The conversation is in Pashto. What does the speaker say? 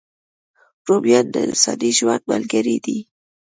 رومیان د انساني ژوند ملګري دي